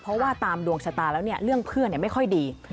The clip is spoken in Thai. เพราะว่าตามดวงชะตาแล้วเนี่ยเรื่องเพื่อนไม่ค่อยดี